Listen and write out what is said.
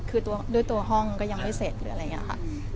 คือด้วยตัวห้องก็ยังไม่เสร็จหรืออะไรอย่างนี้ค่ะ